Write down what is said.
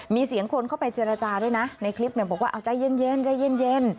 มีเสียงคนเข้าไปเจรจาด้วยนะในคลิปเนี่ยบอกว่าเอาใจเย็น